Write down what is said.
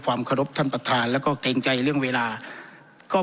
ความเคารพท่านประธานแล้วก็เกรงใจเรื่องเวลาก็